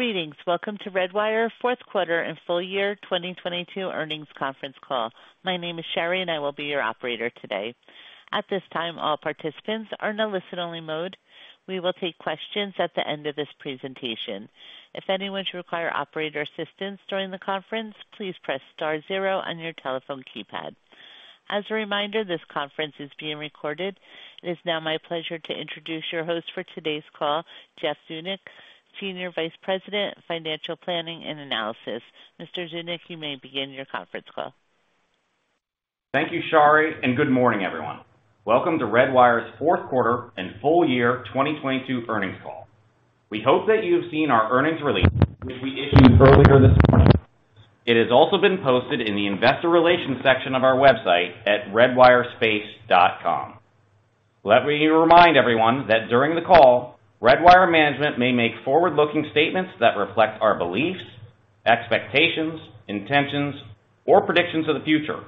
Greetings. Welcome to Redwire fourth quarter and full year 2022 earnings conference call. My name is Shari, and I will be your operator today. At this time, all participants are in a listen-only mode. We will take questions at the end of this presentation. If anyone should require operator assistance during the conference, please press star zero on your telephone keypad. As a reminder, this conference is being recorded. It is now my pleasure to introduce your host for today's call, Jeff Zeunik, Senior Vice President, Financial Planning and Analysis. Mr. Zeunik, you may begin your conference call. Thank you, Shari. Good morning, everyone. Welcome to Redwire fourth quarter and full year 2022 earnings call. We hope that you have seen our earnings release, which we issued earlier this morning. It has also been posted in the investor relations section of our website at redwirespace.com. Let me remind everyone that during the call, Redwire management may make forward-looking statements that reflect our beliefs, expectations, intentions, or predictions of the future.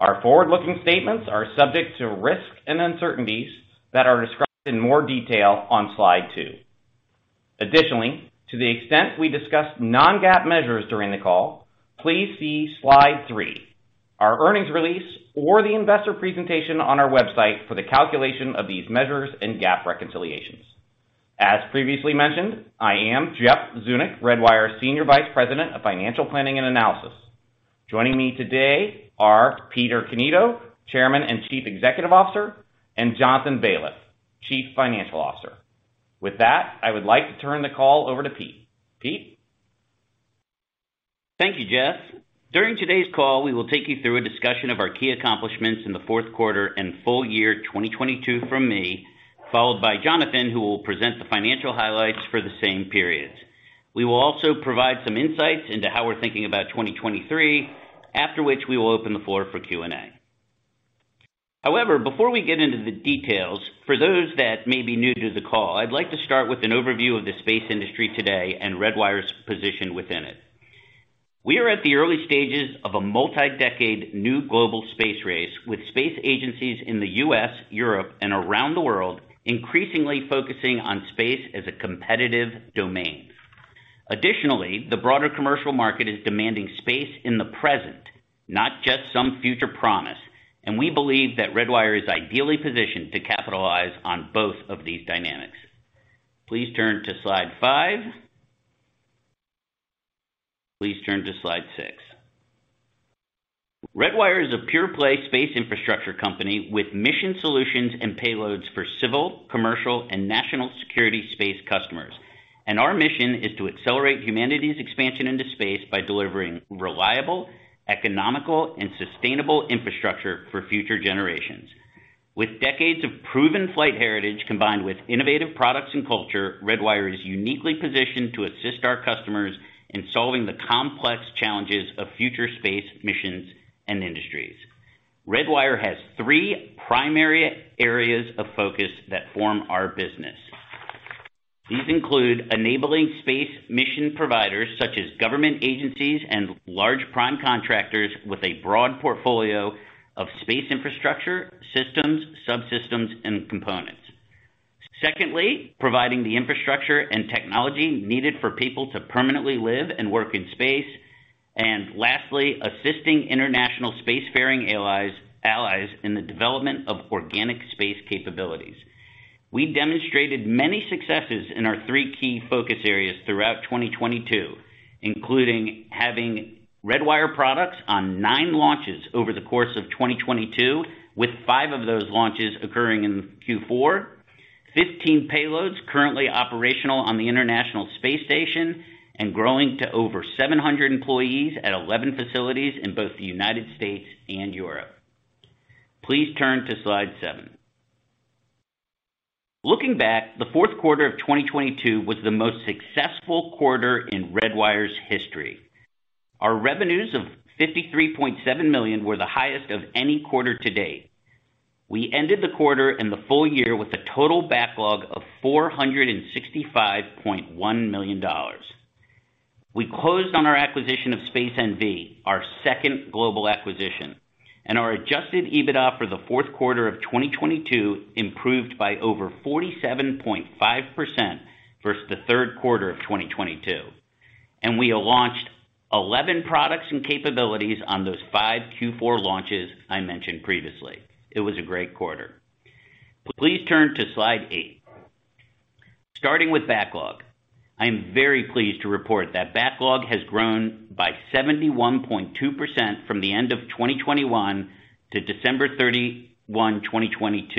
Our forward-looking statements are subject to risks and uncertainties that are described in more detail on slide two. Additionally, to the extent we discuss non-GAAP measures during the call, please see slide three, our earnings release or the investor presentation on our website for the calculation of these measures and GAAP reconciliations. As previously mentioned, I am Jeff Zeunik, Redwire's Senior Vice President of Financial Planning and Analysis. Joining me today are Peter Cannito, Chairman and Chief Executive Officer, and Jonathan Baliff, Chief Financial Officer. With that, I would like to turn the call over to Pete. Pete? Thank you, Jeff. During today's call, we will take you through a discussion of our key accomplishments in the fourth quarter and full year 2022 from me, followed by Jonathan, who will present the financial highlights for the same periods. We will also provide some insights into how we're thinking about 2023, after which we will open the floor for Q&A. However, before we get into the details, for those that may be new to the call, I'd like to start with an overview of the space industry today and Redwire's position within it. We are at the early stages of a multi-decade new global space race, with space agencies in the U.S., Europe, and around the world increasingly focusing on space as a competitive domain. Additionally, the broader commercial market is demanding space in the present, not just some future promise, and we believe that Redwire is ideally positioned to capitalize on both of these dynamics. Please turn to slide five. Please turn to slide six. Redwire is a pure play space infrastructure company with Mission Solutions and payloads for civil, commercial, and national security space customers. Our mission is to accelerate humanity's expansion into space by delivering reliable, economical, and sustainable infrastructure for future generations. With decades of proven flight heritage combined with innovative products and culture, Redwire is uniquely positioned to assist our customers in solving the complex challenges of future space missions and industries. Redwire has three primary areas of focus that form our business. These include enabling space mission providers such as government agencies and large prime contractors with a broad portfolio of space infrastructure, systems, subsystems, and components. Secondly, providing the infrastructure and technology needed for people to permanently live and work in space. Lastly, assisting international space-faring allies in the development of organic space capabilities. We demonstrated many successes in our three key focus areas throughout 2022, including having Redwire products on nine launches over the course of 2022, with five of those launches occurring in Q4. 15 payloads currently operational on the International Space Station and growing to over 700 employees at 11 facilities in both the United States and Europe. Please turn to slide 7seven. Looking back, the fourth quarter of 2022 was the most successful quarter in Redwire's history. Our revenues of $53.7 million were the highest of any quarter to date. We ended the quarter and the full year with a total backlog of $465.1 million. We closed on our acquisition of Space NV, our second global acquisition. Our adjusted EBITDA for the fourth quarter of 2022 improved by over 47.5% versus the third quarter of 2022. We have launched 11 products and capabilities on those five Q4 launches I mentioned previously. It was a great quarter. Please turn to slide eight. Starting with backlog. I am very pleased to report that backlog has grown by 71.2% from the end of 2021 to December 31, 2022.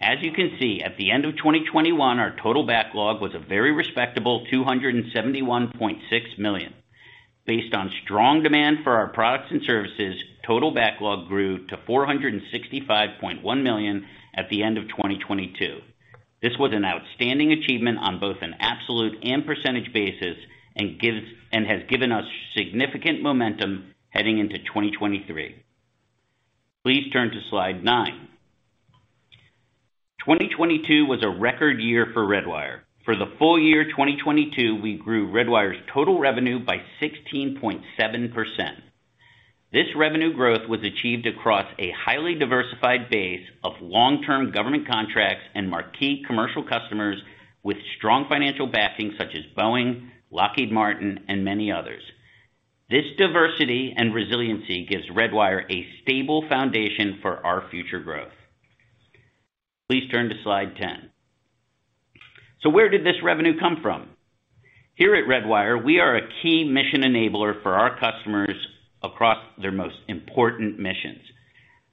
As you can see, at the end of 2021, our total backlog was a very respectable $271.6 million. Based on strong demand for our products and services, total backlog grew to $465.1 million at the end of 2022. This was an outstanding achievement on both an absolute and percentage basis and has given us significant momentum heading into 2023. Please turn to slide nine. 2022 was a record year for Redwire. For the full year 2022, we grew Redwire's total revenue by 16.7%. This revenue growth was achieved across a highly diversified base of long-term government contracts and marquee commercial customers with strong financial backing such as Boeing, Lockheed Martin, and many others. This diversity and resiliency gives Redwire a stable foundation for our future growth. Please turn to slide 10. Where did this revenue come from? Here at Redwire, we are a key mission enabler for our customers across their most important missions.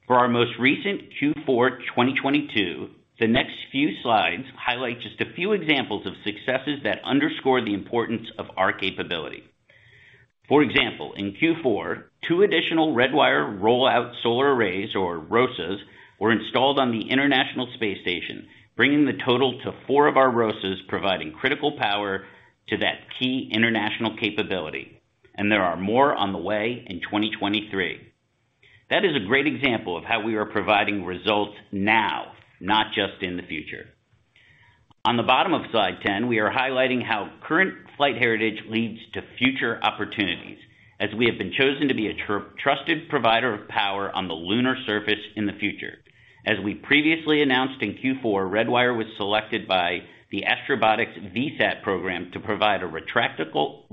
For our most recent Q4 2022, the next few slides highlight just a few examples of successes that underscore the importance of our capability. For example, in Q4, two additional Redwire Roll-Out Solar Arrays, or ROSAs, were installed on the International Space Station, bringing the total to 4 four of our ROSAs, providing critical power to that key international capability. There are more on the way in 2023. That is a great example of how we are providing results now, not just in the future. On the bottom of slide 10, we are highlighting how current flight heritage leads to future opportunities, as we have been chosen to be a trusted provider of power on the lunar surface in the future. As we previously announced, in Q4, Redwire was selected by the Astrobotic VSAT program to provide a retractable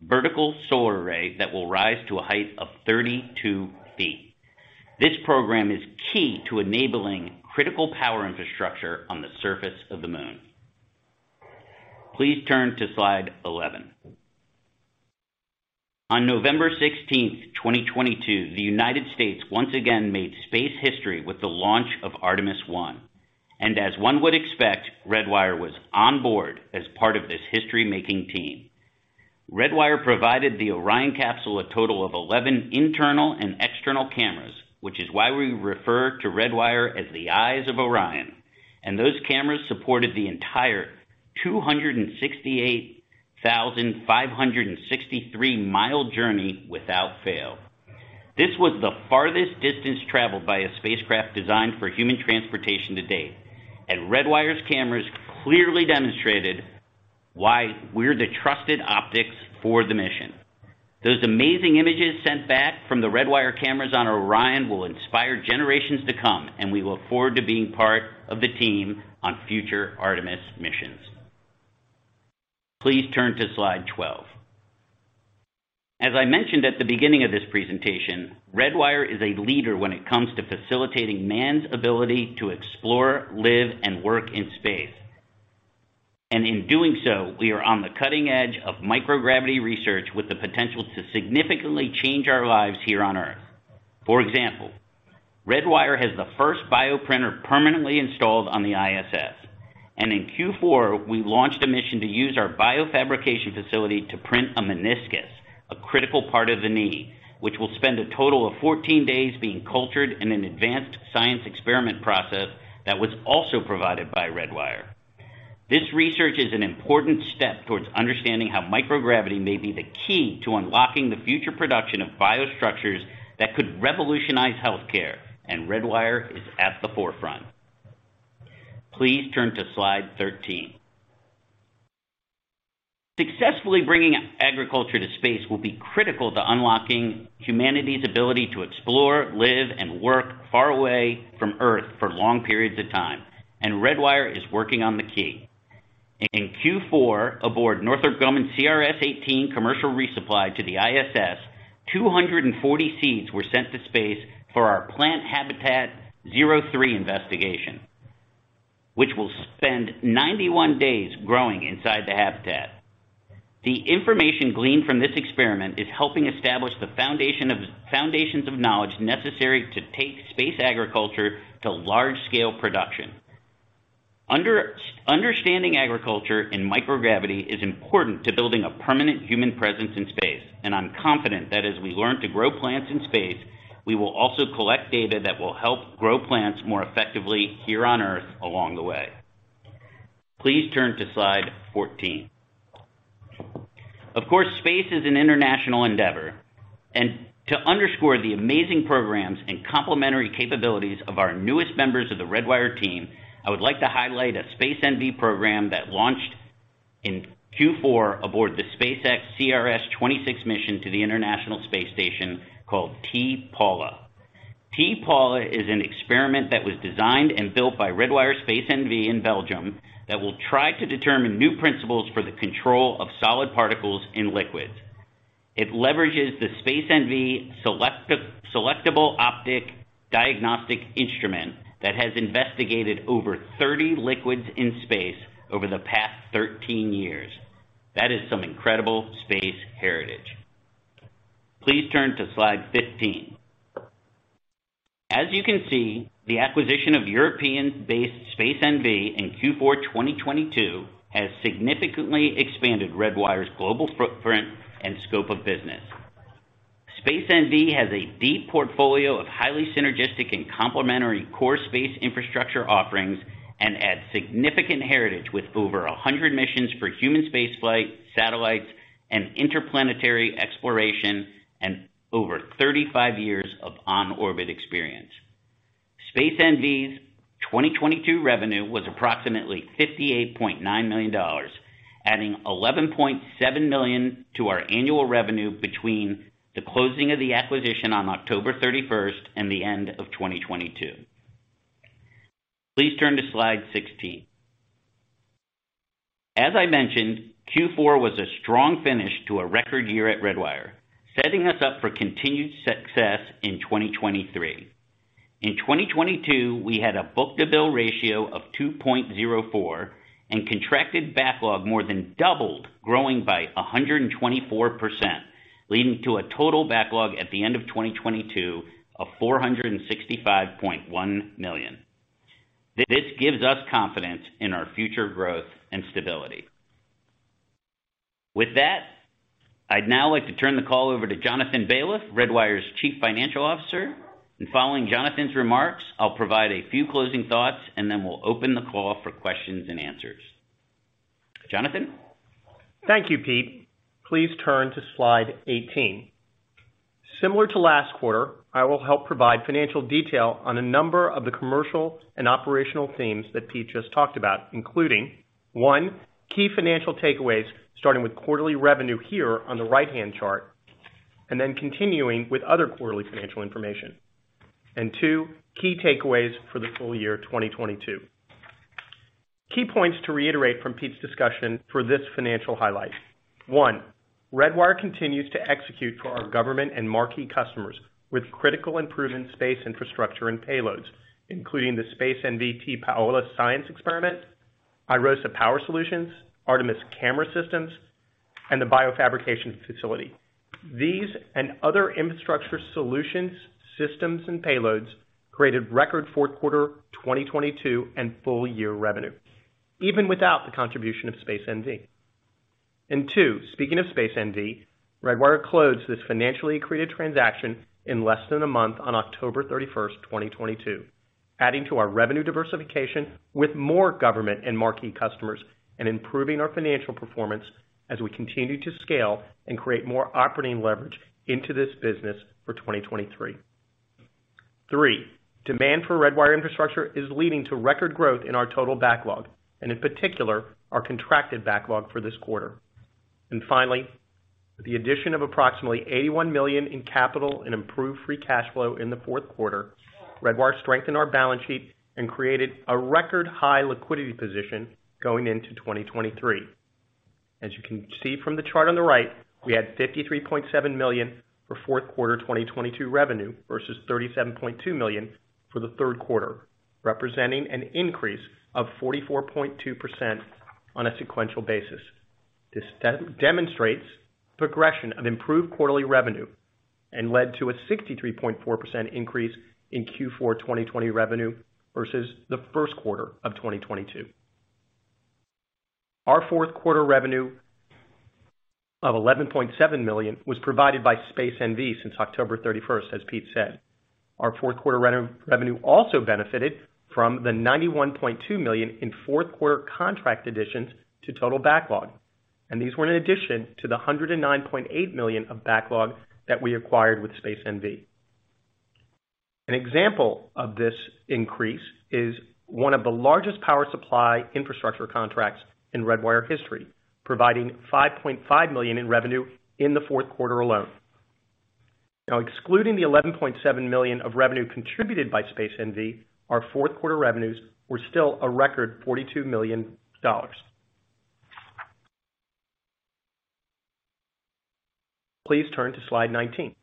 vertical solar array that will rise to a height of 32 ft. This program is key to enabling critical power infrastructure on the surface of the Moon. Please turn to slide 11. On November 16th, 2022, the United States once again made space history with the launch of Artemis I. As one would expect, Redwire was on board as part of this history-making team. Redwire provided the Orion capsule a total of 11 internal and external cameras, which is why we refer to Redwire as the Eyes of Orion. Those cameras supported the entire 268,563 mile journey without fail. This was the farthest distance traveled by a spacecraft designed for human transportation to date. Redwire's cameras clearly demonstrated why we're the trusted optics for the mission. Those amazing images sent back from the Redwire cameras on Orion will inspire generations to come, and we look forward to being part of the team on future Artemis missions. Please turn to slide 12. As I mentioned at the beginning of this presentation, Redwire is a leader when it comes to facilitating man's ability to explore, live, and work in space. In doing so, we are on the cutting edge of microgravity research with the potential to significantly change our lives here on Earth. For example, Redwire has the first bioprinter permanently installed on the ISS. In Q4, we launched a mission to use our BioFabrication Facility to print a meniscus, a critical part of the knee, which will spend a total of 14 days being cultured in an advanced science experiment process that was also provided by Redwire. This research is an important step towards understanding how microgravity may be the key to unlocking the future production of bio structures that could revolutionize healthcare, and Redwire is at the forefront. Please turn to slide 13. Successfully bringing agriculture to space will be critical to unlocking humanity's ability to explore, live, and work far away from Earth for long periods of time. Redwire is working on the key. In Q4, aboard Northrop Grumman CRS-18 commercial resupply to the ISS, 240 seeds were sent to space for our Plant Habitat-03 investigation, which will spend 91 days growing inside the habitat. The information gleaned from this experiment is helping establish the foundations of knowledge necessary to take space agriculture to large-scale production. Understanding agriculture in microgravity is important to building a permanent human presence in space. I'm confident that as we learn to grow plants in space, we will also collect data that will help grow plants more effectively here on Earth along the way. Please turn to slide 14. Of course, space is an international endeavor. To underscore the amazing programs and complementary capabilities of our newest members of the Redwire team, I would like to highlight a Space NV program that launched in Q4 aboard the SpaceX CRS-26 mission to the International Space Station called T-PAOLA. T-PAOLA is an experiment that was designed and built by Redwire Space NV in Belgium that will try to determine new principles for the control of solid particles in liquids. It leverages the Space NV Selectable Optic Diagnostic Instrument that has investigated over 30 liquids in space over the past 13 years. That is some incredible space heritage. Please turn to slide 15. As you can see, the acquisition of European-based Space NV in Q4 2022 has significantly expanded Redwire's global footprint and scope of business. Space NV has a deep portfolio of highly synergistic and complementary core space infrastructure offerings and adds significant heritage with over 100 missions for human spaceflight, satellites, and interplanetary exploration, and over 35 years of on-orbit experience. Space NV's 2022 revenue was approximately $58.9 million, adding $11.7 million to our annual revenue between the closing of the acquisition on October 31st and the end of 2022. Please turn to slide 16. As I mentioned, Q4 was a strong finish to a record year at Redwire, setting us up for continued success in 2023. In 2022, we had a book-to-bill ratio of 2.04 and contracted backlog more than doubled, growing by 124%, leading to a total backlog at the end of 2022 of $465.1 million. This gives us confidence in our future growth and stability. With that, I'd now like to turn the call over to Jonathan Baliff, Redwire's Chief Financial Officer. Following Jonathan's remarks, I'll provide a few closing thoughts, we'll open the call for questions and answers. Jonathan. Thank you, Pete. Please turn to slide 18. Similar to last quarter, I will help provide financial detail on a number of the commercial and operational themes that Pete just talked about, including, one, key financial takeaways, starting with quarterly revenue here on the right-hand chart, and then continuing with other quarterly financial information. Two, key takeaways for the full year, 2022. Key points to reiterate from Pete's discussion for this financial highlight. One, Redwire continues to execute for our government and marquee customers with critical improvement space infrastructure and payloads, including the Space NV T-PAOLA science experiment, iROSA Power Solutions, Artemis Camera Systems, and the BioFabrication Facility. These and other infrastructure solutions, systems, and payloads created record fourth quarter 2022 and full year revenue, even without the contribution of Space NV. Two, speaking of Space NV, Redwire closed this financially accreted transaction in less than a month on October 31st, 2022, adding to our revenue diversification with more government and marquee customers, and improving our financial performance as we continue to scale and create more operating leverage into this business for 2023. Three, demand for Redwire infrastructure is leading to record growth in our total backlog, and in particular, our contracted backlog for this quarter. Finally, with the addition of approximately $81 million in capital and improved free cash flow in the fourth quarter, Redwire strengthened our balance sheet and created a record high liquidity position going into 2023. As you can see from the chart on the right, we had $53.7 million for fourth quarter 2022 revenue versus $37.2 million for the third quarter, representing an increase of 44.2% on a sequential basis. This demonstrates progression of improved quarterly revenue and led to a 63.4% increase in Q4 2020 revenue versus the first quarter of 2022. Our fourth quarter revenue of $11.7 million was provided by Space NV since October 31st, as Pete said. Our fourth quarter revenue also benefited from the $91.2 million in fourth quarter contract additions to total backlog. These were in addition to the $109.8 million of backlog that we acquired with Space NV. An example of this increase is one of the largest power supply infrastructure contracts in Redwire history, providing $5.5 million in revenue in the fourth quarter alone. Now, excluding the $11.7 million of revenue contributed by Space NV, our fourth quarter revenues were still a record $42 million. Please turn to slide 19.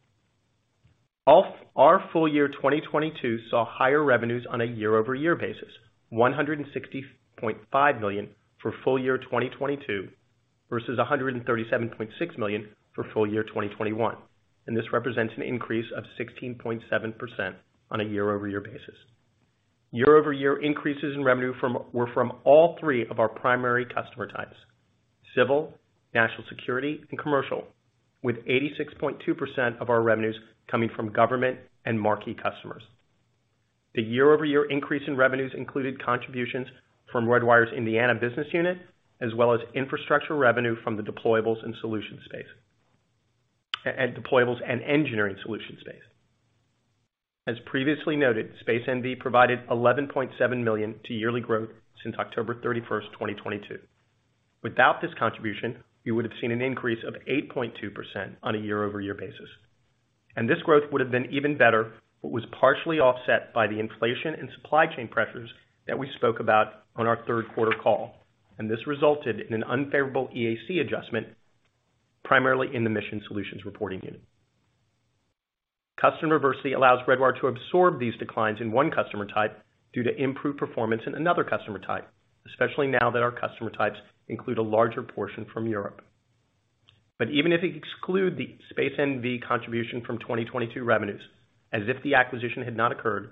Our full year 2022 saw higher revenues on a year-over-year basis, $160.5 million for full year 2022 versus $137.6 million for full year 2021, and this represents an increase of 16.7% on a year-over-year basis. Year-over-year increases in revenue from, were from all three of our primary customer types: civil, national security, and commercial, with 86.2% of our revenues coming from government and marquee customers. The year-over-year increase in revenues included contributions from Redwire's Indiana business unit, as well as infrastructure revenue from the deployables and engineering solution space. As previously noted, Space NV provided $11.7 million to yearly growth since October 31st, 2022. Without this contribution, we would have seen an increase of 8.2% on a year-over-year basis. This growth would have been even better, but was partially offset by the inflation and supply chain pressures that we spoke about on our third quarter call. This resulted in an unfavorable EAC adjustment, primarily in the Mission Solutions reporting unit. Customer diversity allows Redwire to absorb these declines in one customer type due to improved performance in another customer type, especially now that our customer types include a larger portion from Europe. Even if we exclude the Space NV contribution from 2022 revenues, as if the acquisition had not occurred,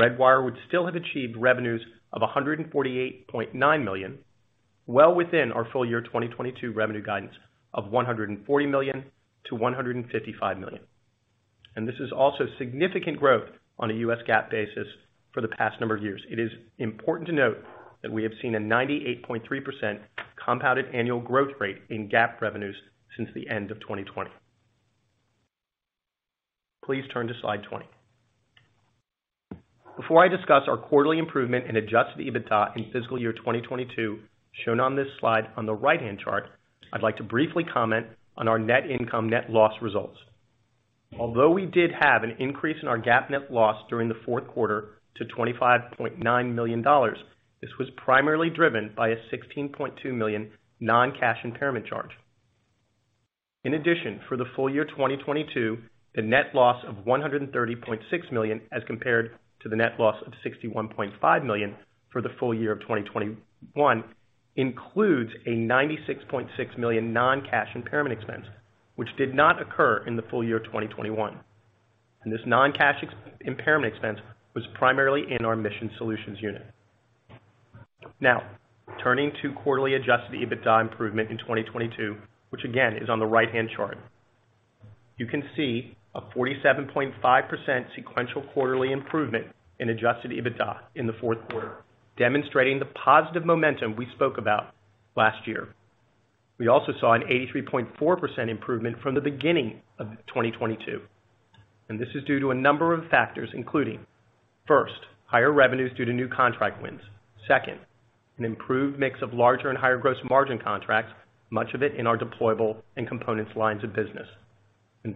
Redwire would still have achieved revenues of $148.9 million, well within our full year 2022 revenue guidance of $140 million-$155 million. This is also significant growth on a US GAAP basis for the past number of years. It is important to note that we have seen a 98.3% compounded annual growth rate in GAAP revenues since the end of 2020. Please turn to slide 20. Before I discuss our quarterly improvement in adjusted EBITDA in fiscal year 2022, shown on this slide on the right-hand chart, I'd like to briefly comment on our net income net loss results. Although we did have an increase in our GAAP net loss during the fourth quarter to $25.9 million, this was primarily driven by a $16.2 million non-cash impairment charge. In addition, for the full year 2022, the net loss of $130.6 million, as compared to the net loss of $61.5 million for the full year of 2021, includes a $96.6 million non-cash impairment expense, which did not occur in the full year of 2021. This non-cash impairment expense was primarily in our Mission Solutions unit. Turning to quarterly adjusted EBITDA improvement in 2022, which again is on the right-hand chart. You can see a 47.5% sequential quarterly improvement in adjusted EBITDA in the fourth quarter, demonstrating the positive momentum we spoke about last year. We also saw an 83.4% improvement from the beginning of 2022. This is due to a number of factors, including, first, higher revenues due to new contract wins. Second, an improved mix of larger and higher gross margin contracts, much of it in our deployable and components lines of business.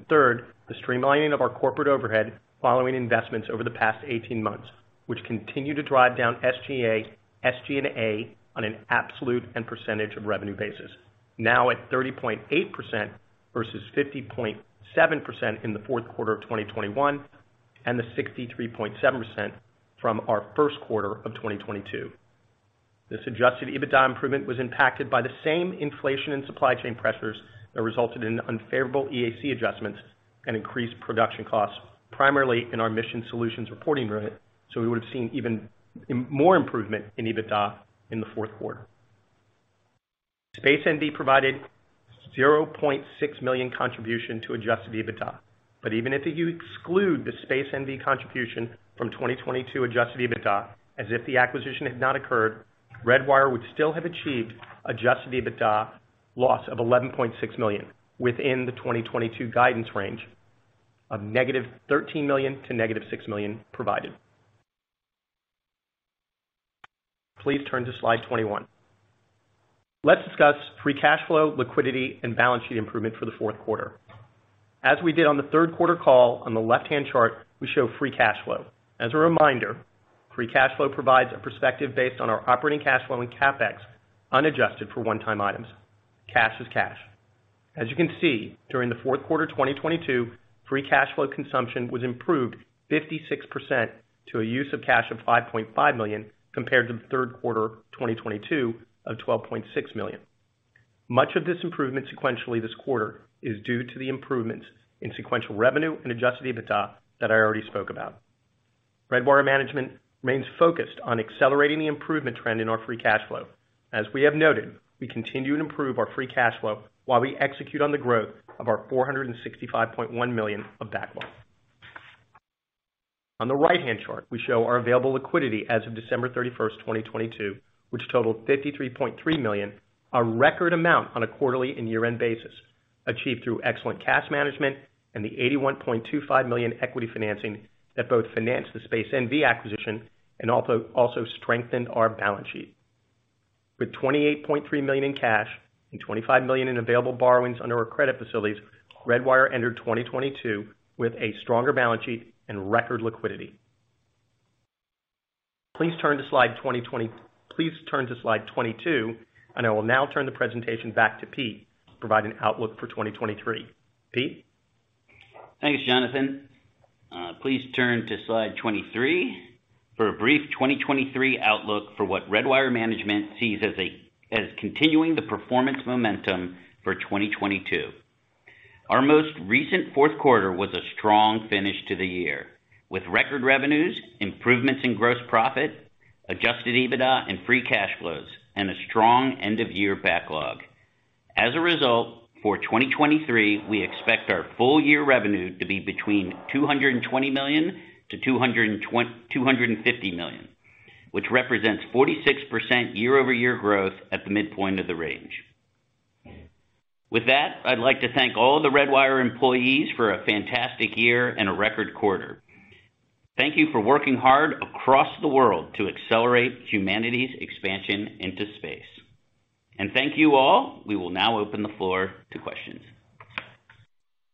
Third, the streamlining of our corporate overhead following investments over the past 18 months, which continue to drive down SG&A on an absolute and percentage of revenue basis. Now at 30.8% versus 50.7% in the fourth quarter of 2021 and the 63.7% from our first quarter of 2022. This adjusted EBITDA improvement was impacted by the same inflation and supply chain pressures that resulted in unfavorable EAC adjustments and increased production costs, primarily in our Mission Solutions reporting unit. We would have seen even more improvement in EBITDA in the fourth quarter. Space NV provided $0.6 million contribution to adjusted EBITDA. Even if you exclude the Space NV contribution from 2022 adjusted EBITDA, as if the acquisition had not occurred, Redwire would still have achieved adjusted EBITDA loss of $11.6 million within the 2022 guidance range of -$13 million to -$6 million provided. Please turn to slide 21. Let's discuss free cash flow, liquidity, and balance sheet improvement for the fourth quarter. As we did on the third quarter call on the left-hand chart, we show free cash flow. As a reminder, free cash flow provides a perspective based on our operating cash flow and CapEx, unadjusted for one-time items. Cash is cash. As you can see, during the fourth quarter, 2022, free cash flow consumption was improved 56% to a use of cash of $5.5 million, compared to the third quarter, 2022, of $12.6 million. Much of this improvement sequentially this quarter is due to the improvements in sequential revenue and adjusted EBITDA that I already spoke about. Redwire Management remains focused on accelerating the improvement trend in our free cash flow. As we have noted, we continue to improve our free cash flow while we execute on the growth of our $465.1 million of backlog. On the right-hand chart, we show our available liquidity as of December 31st, 2022, which totaled $53.3 million, a record amount on a quarterly and year-end basis, achieved through excellent cash management and the $81.25 million equity financing that both financed the Space NV acquisition and also strengthened our balance sheet. With $28.3 million in cash and $25 million in available borrowings under our credit facilities, Redwire entered 2022 with a stronger balance sheet and record liquidity. Please turn to slide 22, and I will now turn the presentation back to Pete to provide an outlook for 2023. Pete? Thanks, Jonathan. Please turn to slide 23 for a brief 2023 outlook for what Redwire Management sees as continuing the performance momentum for 2022. Our most recent fourth quarter was a strong finish to the year, with record revenues, improvements in gross profit, adjusted EBITDA and free cash flows, and a strong end-of-year backlog. As a result, for 2023, we expect our full year revenue to be between $220 million-$250 million, which represents 46% year-over-year growth at the midpoint of the range. With that, I'd like to thank all the Redwire employees for a fantastic year and a record quarter. Thank you for working hard across the world to accelerate humanity's expansion into space. Thank you all. We will now open the floor to questions.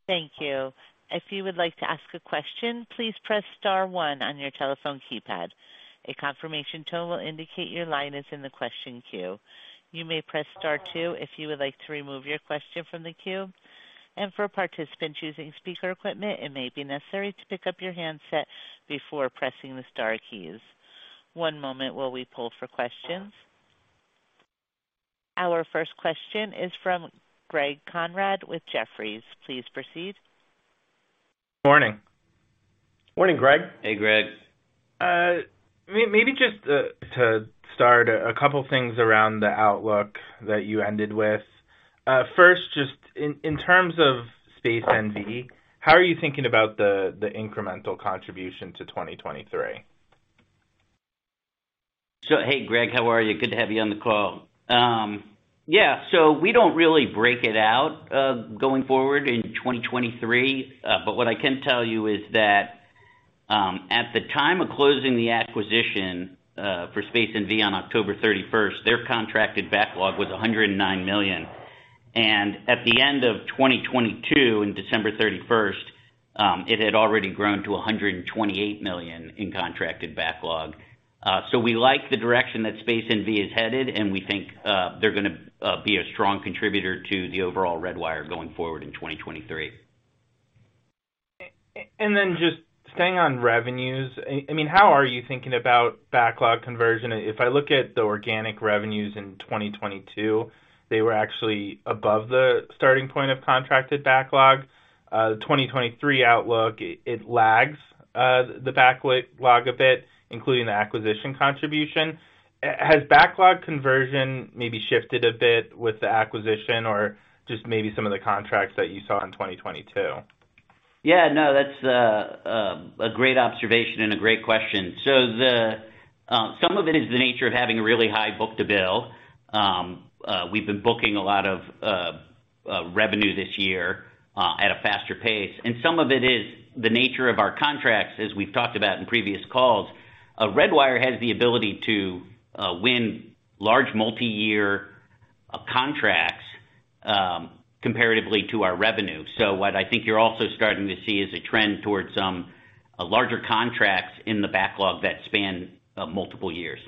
Thank you. If you would like to ask a question, please press star one on your telephone keypad. A confirmation tone will indicate your line is in the question queue. You may press star two if you would like to remove your question from the queue. For a participant choosing speaker equipment, it may be necessary to pick up your handset before pressing the star keys. One moment while we pull for questions. Our first question is from Greg Konrad with Jefferies. Please proceed. Morning. Morning, Greg. Hey, Greg. Maybe just to start a couple things around the outlook that you ended with. First, just in terms of Space NV, how are you thinking about the incremental contribution to 2023? Hey, Greg, how are you? Good to have you on the call. Yeah, we don't really break it out, going forward in 2023. What I can tell you is that, at the time of closing the acquisition, for Space NV on October 31st, their contracted backlog was $109 million. At the end of 2022, in December 31st, it had already grown to $128 million in contracted backlog. We like the direction that Space NV is headed, and we think, they're gonna be a strong contributor to the overall Redwire going forward in 2023. Just staying on revenues. I mean, how are you thinking about backlog conversion? If I look at the organic revenues in 2022, they were actually above the starting point of contracted backlog. The 2023 outlook, it lags the backlog a bit, including the acquisition contribution. Has backlog conversion maybe shifted a bit with the acquisition or just maybe some of the contracts that you saw in 2022? Yeah, no, that's a great observation and a great question. Some of it is the nature of having a really high book-to-bill. We've been booking a lot of revenue this year at a faster pace, and some of it is the nature of our contracts, as we've talked about in previous calls. Redwire has the ability to win large multi-year contracts comparatively to our revenue. What I think you're also starting to see is a trend towards some larger contracts in the backlog that span multiple years.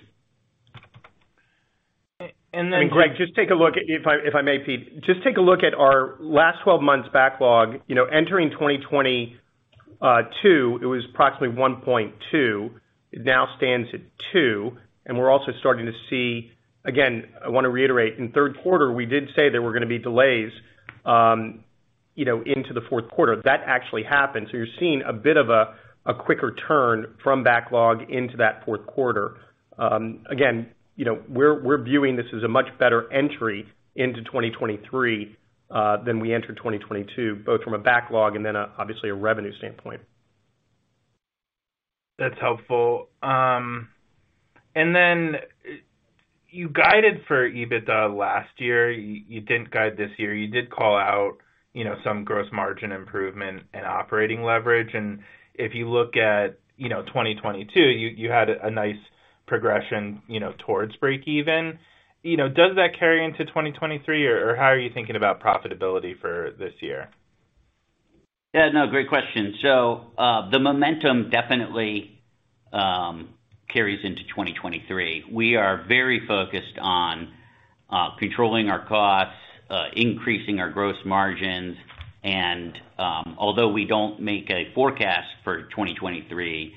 And then- I mean, Greg, just take a look, if I may, Pete. Just take a look at our last 12 months backlog. You know, entering 2022, it was approximately $1.2. It now stands at $2, and we are also starting to see. Again, I want to reiterate, in third quarter, we did say there were going to be delays, you know, into the fourth quarter. That actually happened. You are seeing a bit of a quicker turn from backlog into that fourth quarter. Again, you know, we are viewing this as a much better entry into 2023 than we entered 2022, both from a backlog and then, obviously, a revenue standpoint. That's helpful. Then you guided for EBITDA last year. You didn't guide this year. You did call out, you know, some gross margin improvement and operating leverage. If you look at, you know, 2022, you had a nice progression, you know, towards breakeven. You know, does that carry into 2023, or how are you thinking about profitability for this year? Yeah, no, great question. The momentum definitely carries into 2023. We are very focused on controlling our costs, increasing our gross margins, and although we don't make a forecast for 2023,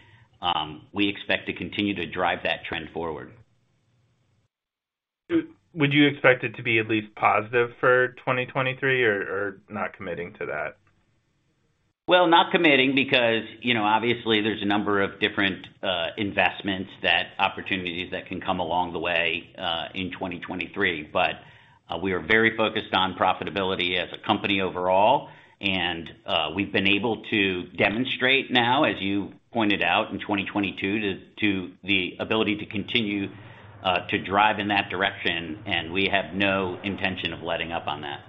we expect to continue to drive that trend forward. Would you expect it to be at least positive for 2023, or not committing to that? Well, not committing because, you know, obviously, there's a number of different investments opportunities that can come along the way in 2023. We are very focused on profitability as a company overall, and we've been able to demonstrate now, as you pointed out in 2022, the ability to continue to drive in that direction, and we have no intention of letting up on that.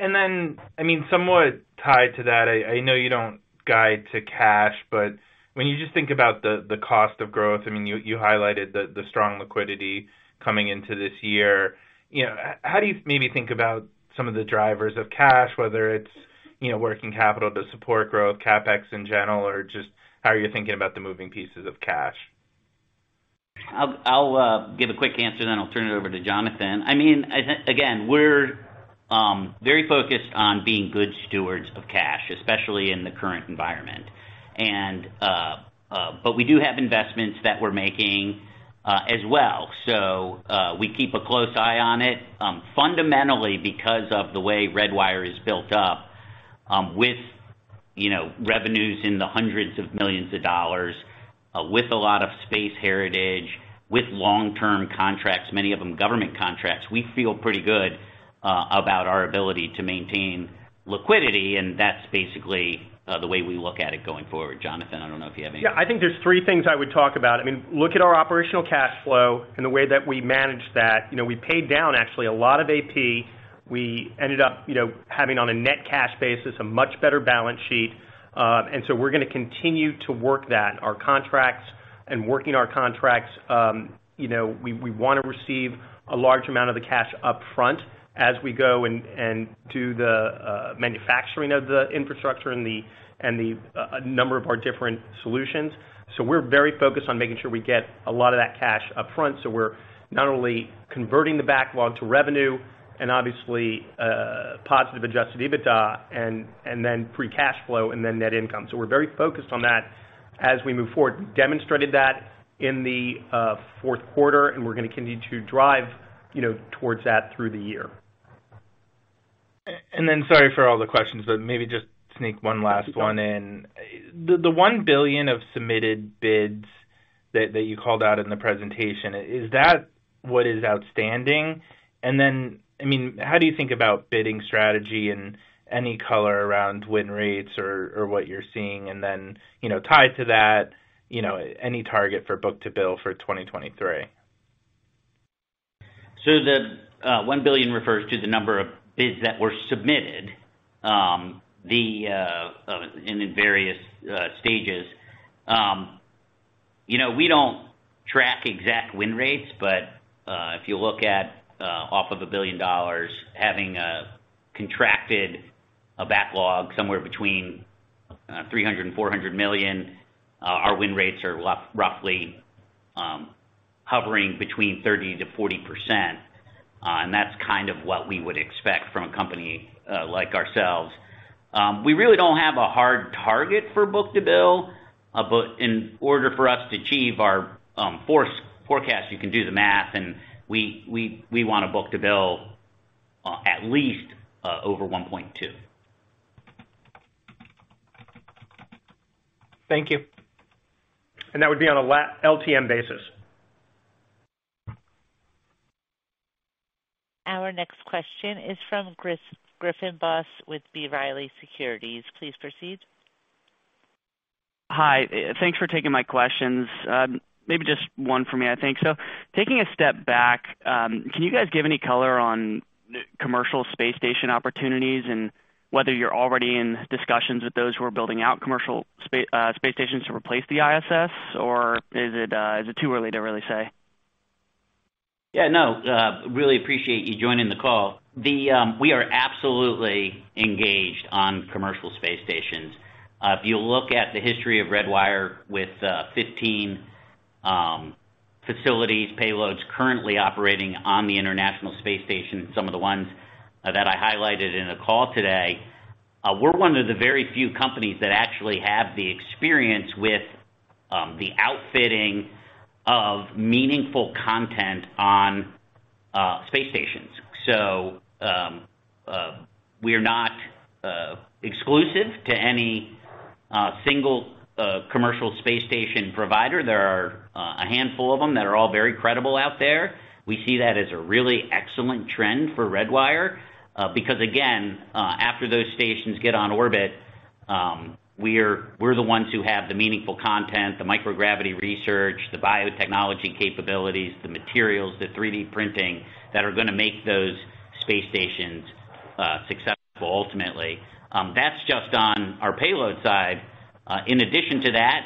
I mean, somewhat tied to that, I know you don't guide to cash, but when you just think about the cost of growth, I mean, you highlighted the strong liquidity coming into this year. You know, how do you maybe think about some of the drivers of cash, whether it's, you know, working capital to support growth, CapEx in general, or just how are you thinking about the moving pieces of cash? I'll give a quick answer, then I'll turn it over to Jonathan. I mean, I again, we're very focused on being good stewards of cash, especially in the current environment. We do have investments that we're making as well. We keep a close eye on it. Fundamentally, because of the way Redwire is built up, with, you know, revenues in the hundreds of millions of dollars, with a lot of space heritage, with long-term contracts, many of them government contracts, we feel pretty good about our ability to maintain liquidity, and that's basically the way we look at it going forward. Jonathan, I don't know if you have anything... Yeah. I think there's three things I would talk about. I mean, look at our operational cash flow and the way that we manage that. You know, we paid down actually a lot of AP. We ended up, you know, having on a net cash basis, a much better balance sheet. We're gonna continue to work that, our contracts and working our contracts. You know, we wanna receive a large amount of the cash upfront as we go and do the manufacturing of the infrastructure and the a number of our different solutions. So we're very focused on making sure we get a lot of that cash upfront, so we're not only converting the backlog to revenue and obviously, positive adjusted EBITDA and then free cash flow, and then net income. We're very focused on that as we move forward. Demonstrated that in the fourth quarter, and we're gonna continue to drive, you know, towards that through the year. Then, sorry for all the questions, but maybe just sneak one last one in. The $1 billion of submitted bids that you called out in the presentation, is that what is outstanding. I mean, how do you think about bidding strategy and any color around win rates or what you're seeing? You know, tied to that, you know, any target for book-to-bill for 2023? The $1 billion refers to the number of bids that were submitted, in the various stages. You know, we don't track exact win rates, but if you look at off of $1 billion, having contracted a backlog somewhere between $300 million-$400 million, our win rates are roughly hovering between 30%-40%. That's kind of what we would expect from a company like ourselves. We really don't have a hard target for book-to-bill, but in order for us to achieve our forecast, you can do the math, and we want to book-to-bill at least over 1.2. Thank you. That would be on a LTM basis. Our next question is from Chris Griffin Boss with B. Riley Securities. Please proceed. Hi, thanks for taking my questions. Maybe just one for me, I think. Taking a step back, can you guys give any color on commercial space station opportunities and whether you're already in discussions with those who are building out commercial space stations to replace the ISS? Is it too early to really say? Really appreciate you joining the call. We are absolutely engaged on commercial space stations. If you look at the history of Redwire with 15 facilities, payloads currently operating on the International Space Station, some of the ones that I highlighted in the call today, we're one of the very few companies that actually have the experience with the outfitting of meaningful content on space stations. We are not exclusive to any single commercial space station provider. There are a handful of them that are all very credible out there. We see that as a really excellent trend for Redwire, because again, after those stations get on orbit, we're the ones who have the meaningful content, the microgravity research, the biotechnology capabilities, the materials, the 3D printing that are gonna make those space stations successful ultimately. That's just on our payload side. In addition to that,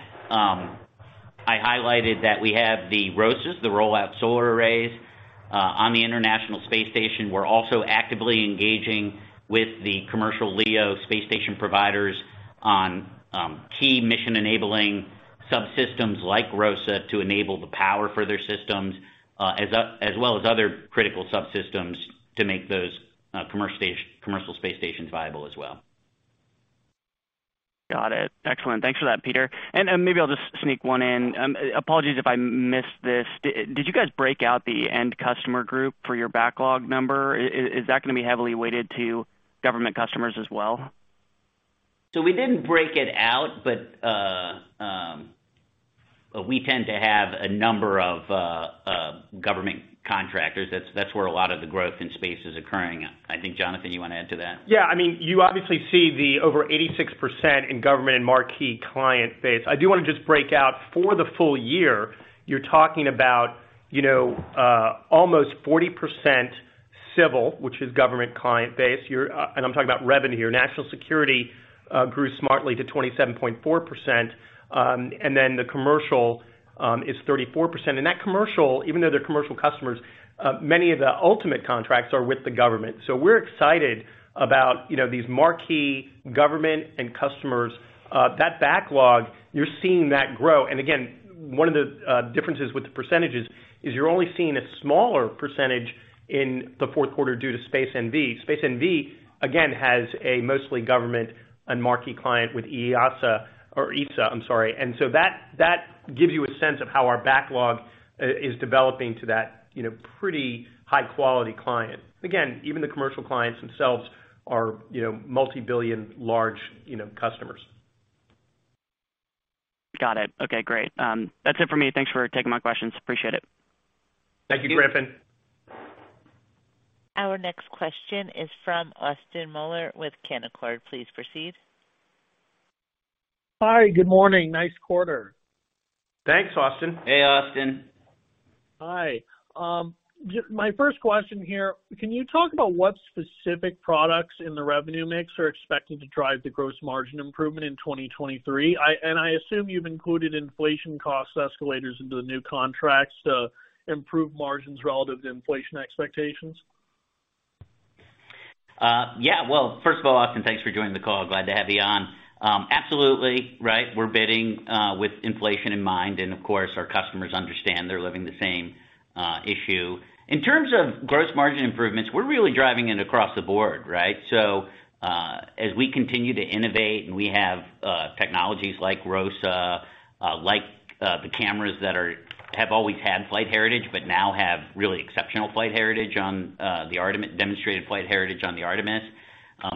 I highlighted that we have the ROSAs, the Roll-Out Solar Arrays, on the International Space Station. We're also actively engaging with the commercial LEO space station providers on key mission-enabling subsystems like ROSA to enable the power for their systems, as well as other critical subsystems to make those commercial space stations viable as well. Got it. Excellent. Thanks for that, Peter. Maybe I'll just sneak one in. Apologies if I missed this. Did you guys break out the end customer group for your backlog number? Is that gonna be heavily weighted to government customers as well? We didn't break it out, but we tend to have a number of government contractors. That's where a lot of the growth in space is occurring. I think, Jonathan, you wanna add to that? Yeah. I mean, you obviously see the over 86% in government and marquee client base. I do wanna just break out, for the full year, you're talking about, you know, almost 40% civil, which is government client base. You're, and I'm talking about revenue here. National security grew smartly to 27.4%. Then the commercial is 34%. That commercial, even though they're commercial customers, many of the ultimate contracts are with the government. We're excited about, you know, these marquee government and customers. That backlog, you're seeing that grow. Again, one of the differences with the percentages is you're only seeing a smaller percentage in the fourth quarter due to Space NV. Space NV, again, has a mostly government and marquee client with EASA or ESA, I'm sorry. That gives you a sense of how our backlog is developing to that, you know, pretty high quality client. Again, even the commercial clients themselves are, you know, multi-billion large, you know, customers. Got it. Okay, great. That's it for me. Thanks for taking my questions. Appreciate it. Thank you, Griffin. Thank you. Our next question is from Austin Moeller with Canaccord. Please proceed. Hi, good morning. Nice quarter. Thanks, Austin. Hey, Austin. Hi. My first question here, can you talk about what specific products in the revenue mix are expected to drive the gross margin improvement in 2023? I assume you've included inflation cost escalators into the new contracts to improve margins relative to inflation expectations. Yeah. Well, first of all, Austin, thanks for joining the call. Glad to have you on. Absolutely, right? We're bidding with inflation in mind, and of course, our customers understand they're living the same issue. In terms of gross margin improvements, we're really driving it across the board, right? As we continue to innovate and we have technologies like ROSA, like the cameras that have always had flight heritage, but now have really exceptional flight heritage on the Artemis.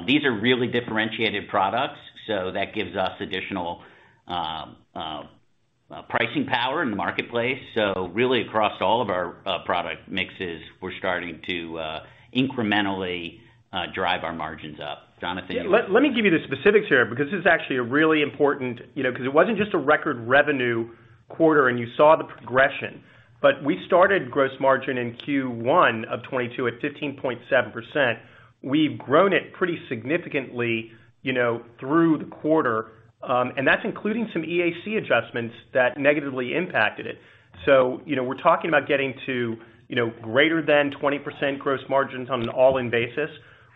These are really differentiated products, so that gives us additional pricing power in the marketplace. Really across all of our product mixes, we're starting to incrementally drive our margins up. Jonathan, you want to. Yeah. Let me give you the specifics here. This is actually a really important. You know, it wasn't just a record revenue quarter, and you saw the progression. We started gross margin in Q1 of 2022 at 15.7%. We've grown it pretty significantly, you know, through the quarter, and that's including some EAC adjustments that negatively impacted it. We're talking about getting to, you know, greater than 20% gross margins on an all-in basis.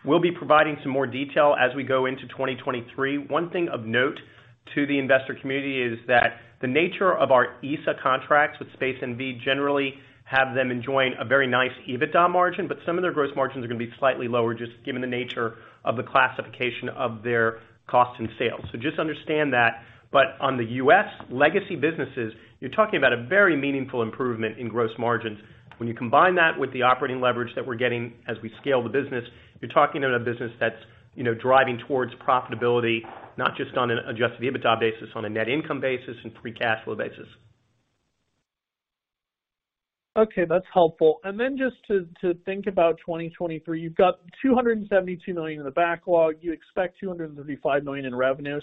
We'll be providing some more detail as we go into 2023. One thing of note to the investor community is that the nature of our ISA contracts with Space NV generally have them enjoying a very nice EBITDA margin, but some of their gross margins are gonna be slightly lower just given the nature of the classification of their costs and sales. Just understand that. On the U.S. legacy businesses, you're talking about a very meaningful improvement in gross margins. When you combine that with the operating leverage that we're getting as we scale the business, you're talking about a business that's, you know, driving towards profitability, not just on an adjusted EBITDA basis, on a net income basis and free cash flow basis. Okay. That's helpful. Just to think about 2023. You've got $272 million in the backlog. You expect $235 million in revenue.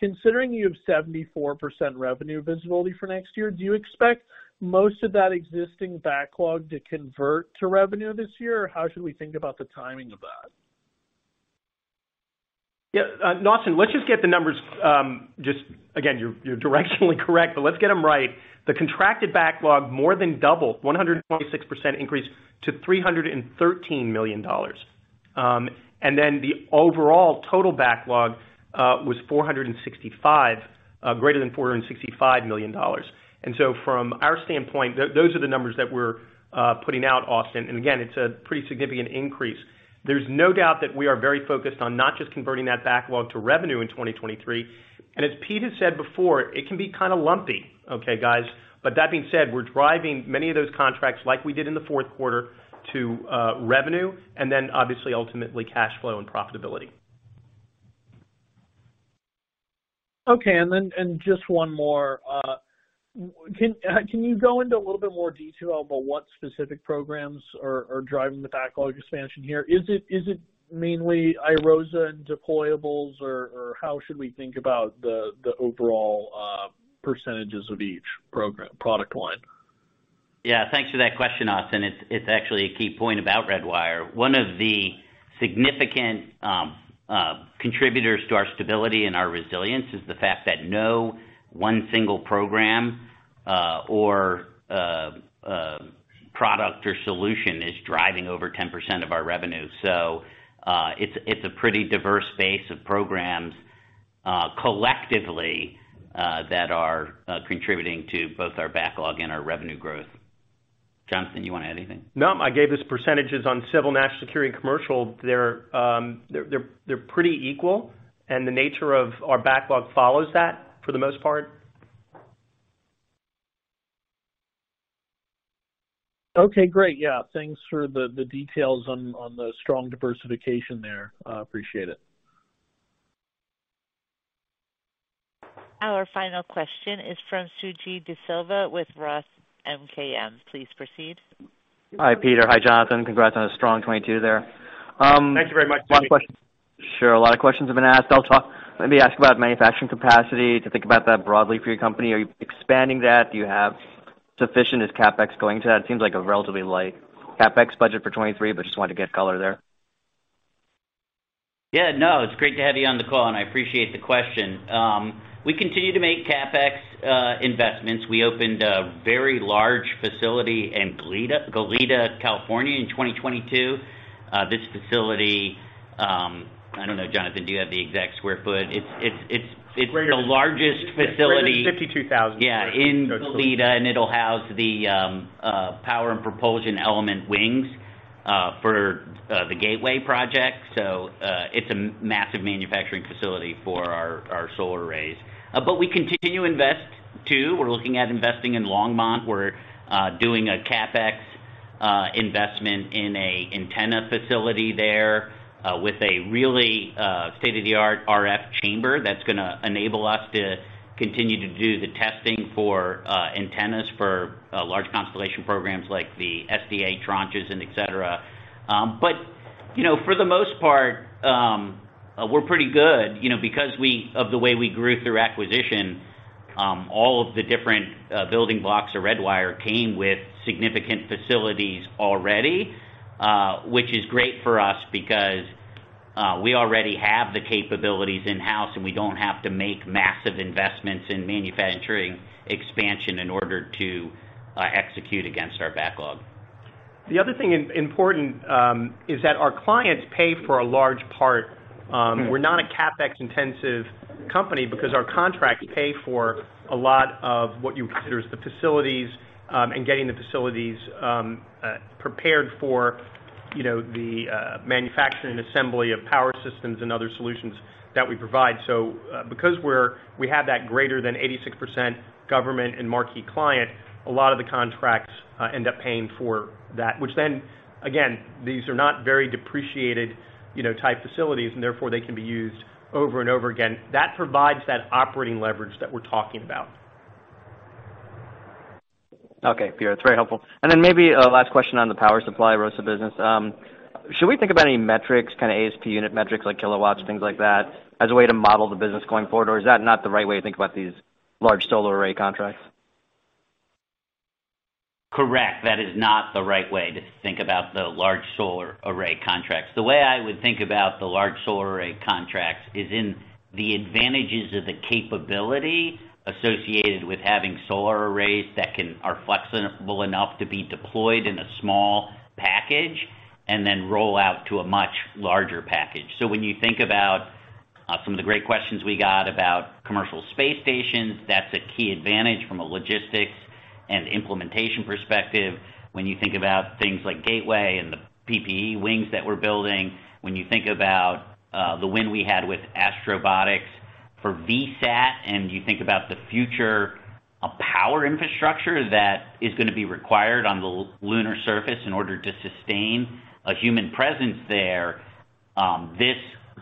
Considering you have 74% revenue visibility for next year, do you expect most of that existing backlog to convert to revenue this year, or how should we think about the timing of that? Yeah. Austin, let's just get the numbers. Again, you're directionally correct, but let's get them right. The contracted backlog more than doubled, 126% increase to $313 million. The overall total backlog was 465, greater than $465 million. From our standpoint, those are the numbers that we're putting out, Austin. Again, it's a pretty significant increase. There's no doubt that we are very focused on not just converting that backlog to revenue in 2023. As Pete has said before, it can be kind of lumpy, okay, guys? That being said, we're driving many of those contracts like we did in the fourth quarter to revenue, obviously ultimately cash flow and profitability. Okay. Just one more. Can you go into a little bit more detail about what specific programs are driving the backlog expansion here? Is it mainly iROSA and deployables or how should we think about the overall percentages of each program, product line? Yeah. Thanks for that question, Austin. It's actually a key point about Redwire. One of the significant contributors to our stability and our resilience is the fact that no one single program, or product or solution is driving over 10% of our revenue. It's a pretty diverse base of programs, collectively, that are contributing to both our backlog and our revenue growth. Jonathan, do you want to add anything? No. I gave us percentages on civil, national security, and commercial. They're pretty equal, and the nature of our backlog follows that for the most part. Okay, great. Yeah. Thanks for the details on the strong diversification there. Appreciate it. Our final question is from Sujit Desilva with Roth MKM. Please proceed. Hi, Peter. Hi, Jonathan. Congrats on a strong 2022 there. Thank you very much, Sujit. A lot of questions. Sure. A lot of questions have been asked. Let me ask about manufacturing capacity, to think about that broadly for your company. Are you expanding that? Do you have sufficient? Is CapEx going to that? It seems like a relatively light CapEx budget for 2023. Just wanted to get color there. Yeah. No, it's great to have you on the call. I appreciate the question. We continue to make CapEx investments. We opened a very large facility in Goleta, California in 2022. This facility, I don't know, Jonathan, do you have the exact square foot? It's the largest facility. 352,000 sq ft. Yeah, in Goleta, it'll house the Power and Propulsion Element wings for the Gateway project. It's a massive manufacturing facility for our solar arrays. We continue to invest too. We're looking at investing in Longmont. We're doing a CapEx investment in a antenna facility there with a really state-of-the-art RF chamber that's gonna enable us to continue to do the testing for antennas for large constellation programs like the SDA tranches and et cetera. You know, for the most part, we're pretty good. You know, because of the way we grew through acquisition, all of the different building blocks of Redwire came with significant facilities already, which is great for us because we already have the capabilities in-house, and we don't have to make massive investments in manufacturing expansion in order to execute against our backlog. The other thing important is that our clients pay for a large part. We're not a CapEx-intensive company because our contracts pay for a lot of what you consider as the facilities, and getting the facilities prepared for, you know, the manufacturing and assembly of power systems and other solutions that we provide. Because we have that greater than 86% government and marquee client, a lot of the contracts end up paying for that, which then, again, these are not very depreciated, you know, type facilities, and therefore, they can be used over and over again. That provides that operating leverage that we're talking about. Okay, Peter, it's very helpful. Maybe a last question on the power supply ROSA business. Should we think about any metrics, kind of ASP unit metrics like kilowatts, things like that, as a way to model the business going forward? Is that not the right way to think about these large solar array contracts? Correct. That is not the right way to think about the large solar array contracts. The way I would think about the large solar array contracts is in the advantages of the capability associated with having solar arrays that are flexible enough to be deployed in a small package and then roll out to a much larger package. When you think about some of the great questions we got about commercial space stations, that's a key advantage from a logistics and implementation perspective. When you think about things like Gateway and the PPE wings that we're building, when you think about the win we had with Astrobotic for VSAT, and you think about the future of power infrastructure that is gonna be required on the lunar surface in order to sustain a human presence there, this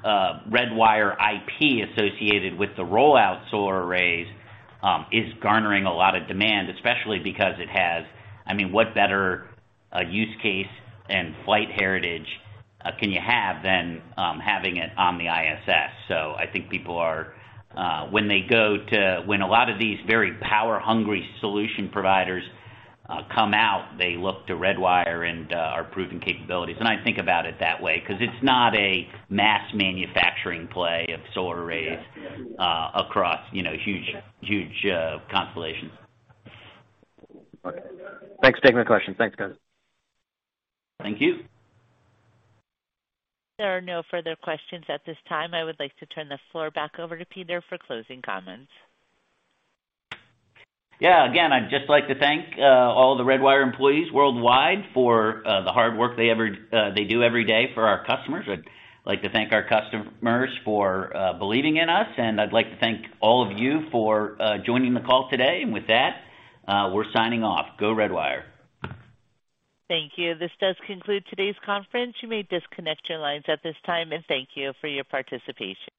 Redwire IP associated with the rollout solar arrays is garnering a lot of demand. Especially because it has... I mean, what better use case and flight heritage can you have than having it on the ISS? I think people are... When a lot of these very power-hungry solution providers come out, they look to Redwire and our proven capabilities. I think about it that way, 'cause it's not a mass manufacturing play of solar arrays, across, you know, huge constellations. Okay. Thanks for taking my question. Thanks, guys. Thank you. There are no further questions at this time. I would like to turn the floor back over to Peter for closing comments. Yeah. Again, I'd just like to thank, all the Redwire employees worldwide for, the hard work they do every day for our customers. I'd like to thank our customers for, believing in us, and I'd like to thank all of you for, joining the call today. With that, we're signing off. Go Redwire. Thank you. This does conclude today's conference. You may disconnect your lines at this time, and thank you for your participation.